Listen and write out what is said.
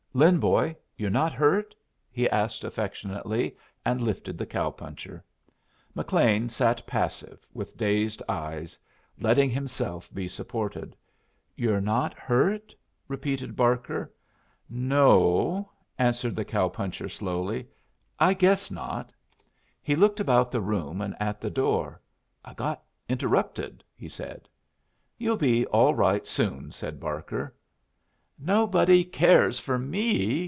"Lin, boy, you're not hurt?" he asked, affectionately, and lifted the cow puncher. McLean sat passive, with dazed eyes, letting himself be supported. "You're not hurt?" repeated Barker. "No," answered the cow puncher, slowly. "I guess not." He looked about the room and at the door. "I got interrupted," he said. "You'll be all right soon," said Barker. "Nobody cares for me!"